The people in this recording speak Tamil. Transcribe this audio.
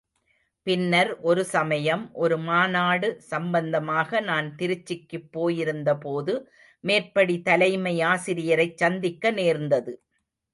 பின்னர் ஒரு சமயம் ஒரு மாநாடு சம்பந்தமாக நான் திருச்சிக்குப் போயிருந்தபோது மேற்படி தலைமை ஆசிரியரைச் சந்திக்க நேர்ந்தது.